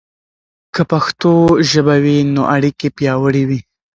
که پښتو ژبه وي، نو اړیکې پياوړي وي.